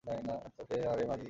তোকে আর এই মাগীকে!